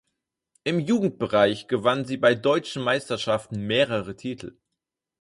Im Jugendbereich gewann sie bei deutschen Meisterschaften mehrere Titel.